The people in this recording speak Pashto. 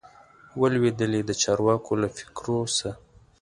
وه لوېدلي د چارواکو له فکرو سه